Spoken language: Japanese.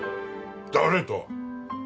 誰と？